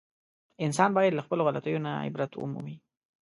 انسان باید له خپلو غلطیو نه عبرت و مومي.